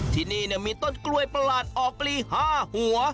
ที่นี่มีต้นกล้วยประหลาดออกปลี๕หัว